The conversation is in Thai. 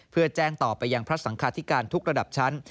เพื่อแจ้งต่อไปยังพระสังคาธิการทุกระดับชั้น